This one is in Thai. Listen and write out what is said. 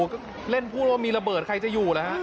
ก็เล่นพูดว่ามีระเบิดใครจะอยู่เหรอฮะ